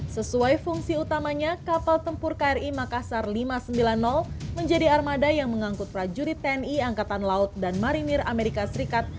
sesuai fungsi utamanya kapal tempur kri makassar lima ratus sembilan puluh menjadi armada yang mengangkut prajurit tni angkatan laut dan marinir amerika serikat